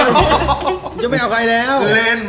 มึงจะไม่เอาใครลี้ว